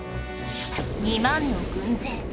２万の軍勢